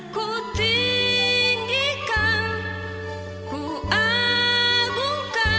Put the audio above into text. ku tinggikan ku akukan